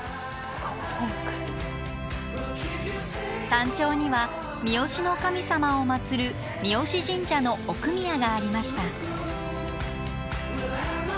山頂には三吉の神様を祀る三吉神社の奥宮がありました。